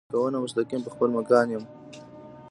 لکه ونه مستقیم پۀ خپل مکان يم